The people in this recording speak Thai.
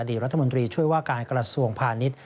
รัฐมนตรีช่วยว่าการกระทรวงพาณิชย์